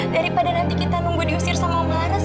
daripada nanti kita nunggu diusir sama bares